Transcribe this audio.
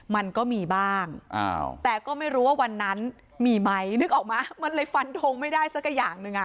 มันก็มีบ้างแต่ก็ไม่รู้ว่าวันนั้นมีไหมนึกออกมามันเลยฟันทงไม่ได้สักอย่างหนึ่งอ่ะ